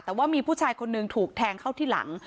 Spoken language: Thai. แต่ว่ามีผู้ชายคนหนึ่งถูกแทงเข้าที่หลัง